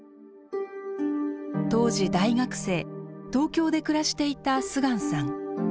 当時大学生東京で暮らしていた秀光さん。